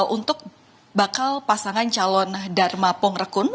untuk bakal pasangan calon dharma pongrekun